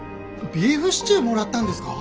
ビーフシチューもらったんですか？